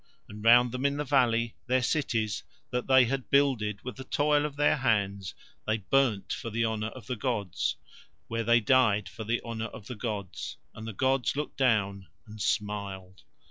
And round them in the valley their cities that they had builded with the toil of their hands, they burned for the honour of the gods, where they died for the honour of the gods, and the gods looked down and smiled.